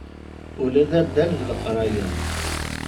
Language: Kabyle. Ula d addal d leqraya.